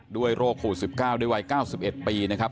ด้วยโรคโหล๑๙ด้วยวัย๙๑ปีนะครับ